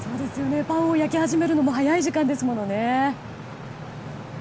パンを焼き始めるのも早い時間帯ですものね。